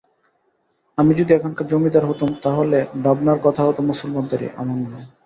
আমি যদি এখানকার জমিদার হতুম তা হলে ভাবনার কথা হত মুসলমানদেরই, আমার নয়।